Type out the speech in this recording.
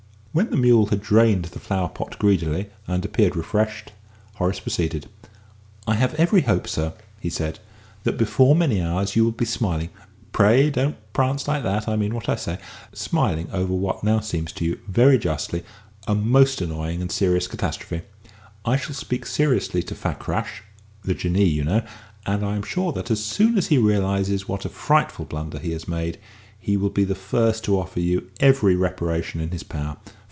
When the mule had drained the flower pot greedily and appeared refreshed, Horace proceeded: "I have every hope, sir," he said, "that before many hours you will be smiling pray don't prance like that, I mean what I say smiling over what now seems to you, very justly, a most annoying and serious catastrophe. I shall speak seriously to Fakrash (the Jinnee, you know), and I am sure that, as soon as he realises what a frightful blunder he has made, he will be the first to offer you every reparation in his power.